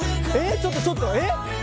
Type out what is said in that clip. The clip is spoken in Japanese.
ちょっとちょっとえ！？